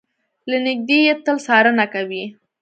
له نږدې يې تل څارنه کوي.